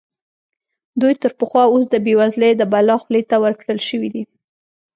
دوی تر پخوا اوس د بېوزلۍ د بلا خولې ته ورکړل شوي دي.